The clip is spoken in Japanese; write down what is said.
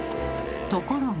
ところが。